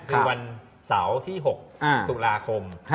คือวันเสาร์ที่๖ตุลาคม